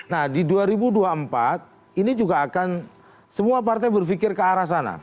nah di dua ribu dua puluh empat ini juga akan semua partai berpikir ke arah sana